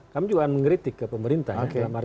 kami juga akan mengkritik ke pemerintah